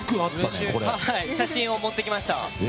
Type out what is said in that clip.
写真を持ってきました。